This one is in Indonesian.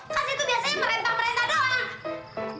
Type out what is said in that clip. kasih itu biasanya merentang merentang doang